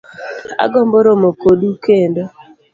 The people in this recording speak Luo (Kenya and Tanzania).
Agombo romo kodu kendo